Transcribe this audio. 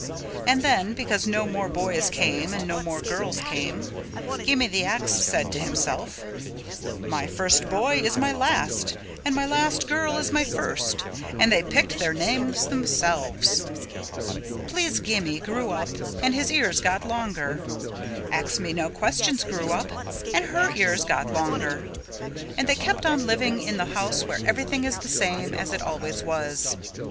And then because no more boys came and no more girls came, Gimme the Ax said to himself, "My first boy is my last and my last girl is my first and they picked their names themselves." Please Gimme grew up and his ears got longer. Ax Me No Questions grew up and her ears got longer. And they kept on living in the house where everything is the same as it always was.